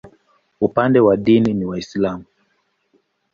Upande wa dini ni Waislamu.